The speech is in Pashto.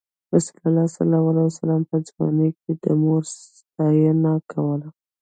رسول الله ﷺ په ځوانۍ کې د رمو ساتنه یې کوله.